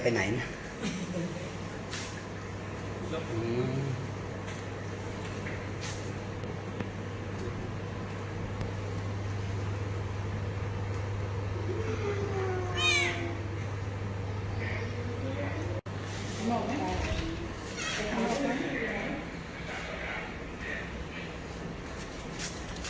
ไปขึ้นที่กล้าแรก